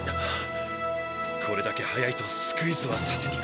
これだけ速いとスクイズはさせにくい。